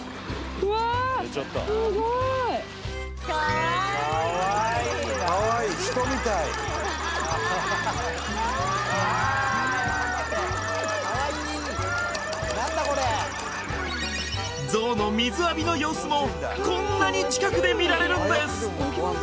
うわ気持ちいいゾウの水浴びの様子もこんなに近くで見られるんです！